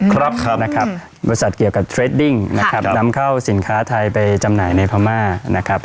ครับนะครับบริษัทเกี่ยวกับเทรดดิ้งนะครับนำเข้าสินค้าไทยไปจำหน่ายในพม่านะครับ